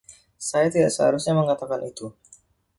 Saya tidak seharusnya mengatakan itu.